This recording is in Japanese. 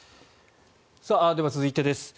では、続いてです。